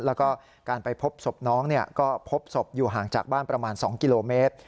แล้วก็การไปพบศพน้องก็พบศพอยู่ห่างจากบ้านประมาณ๒กิโลเมตร